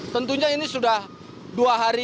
tentunya ini sudah dua hari